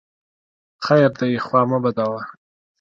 خیر دی خوا مه بدوه !